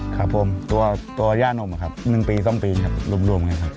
ครับผมตัวตัวย่านมครับหนึ่งปีซ่อมปีครับรวมเลยครับ